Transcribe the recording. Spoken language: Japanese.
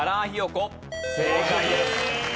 正解です。